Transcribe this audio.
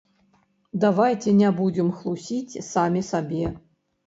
Давайце не будзем хлусіць самі сабе.